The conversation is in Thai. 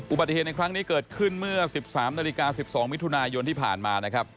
อุบัติเหตุในครั้งนี้เกิดขึ้นเมื่อ๑๓นาฬิกา๑๒มิถุนายนที่ผ่านมานะครับ